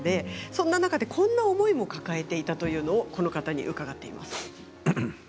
その中でこんな思いも抱えていたということをこの方に伺っています。